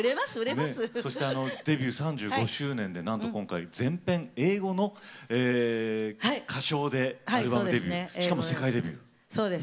そして、デビュー３５周年で今回、全編英語の歌唱でアルバムデビューしかも世界デビュー。